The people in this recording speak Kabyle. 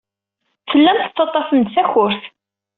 Tellam tettaḍḍafem-d takurt.